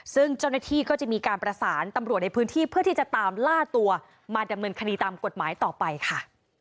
ซึ่งเจ้าหน้าที่ก็จะมีการประสานตำรวจในพื้นที่เพื่อที่จะตามล่าตัวมาดำเนินคดีตามกฎหมายต่อไปค่ะ